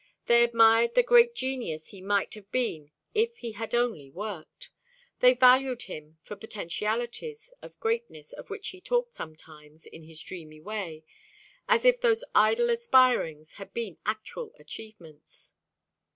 They admired the great genius he might have been if he had only worked. They valued him for potentialities of greatness of which he talked sometimes, in his dreamy way; as if those idle aspirings had been actual achievements.